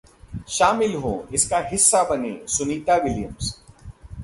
शामिल हों, इसका हिस्सा बनें: सुनीता विलियम्स